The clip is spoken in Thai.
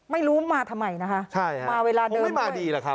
ไม่รู้มาทำไมนะคะใช่ค่ะมาเวลาเดิมด้วยคงไม่มาดีหรอครับ